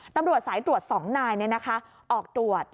ตำรวจสายตรวจ๒นายออกตรวจ